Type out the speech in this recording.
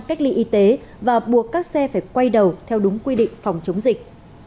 cách ly y tế và buộc các xe phải quay đầu theo đúng quy định phòng chống dịch